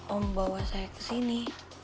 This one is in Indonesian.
om bawa saya kesini